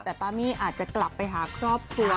แต่ปามี่อาจจะกลับไปหาครอบครัว